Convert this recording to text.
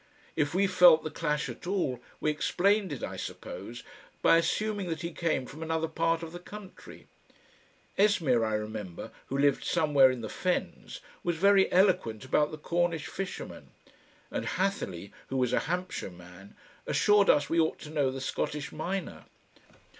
if we felt the clash at all we explained it, I suppose, by assuming that he came from another part of the country; Esmeer, I remember, who lived somewhere in the Fens, was very eloquent about the Cornish fishermen, and Hatherleigh, who was a Hampshire man, assured us we ought to know the Scottish miner.